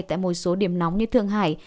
tại một số điểm nóng như thương hải